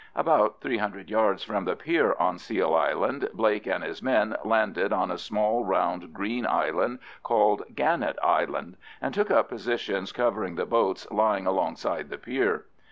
About three hundred yards from the pier on Seal Island, Blake and his men landed on a small round green island called Gannet Island, and took up positions covering the boats lying alongside the pier.